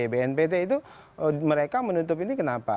bnpt itu mereka menutup ini kenapa